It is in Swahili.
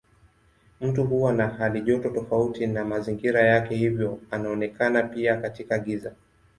Mtu huwa na halijoto tofauti na mazingira yake hivyo anaonekana pia katika giza.